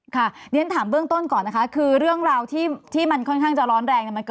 ค่ะนี่ถ้าถามเบื้องต้นก่อนนะครับคือเรื่องที่มันค่อนข้างจะร้อนแรง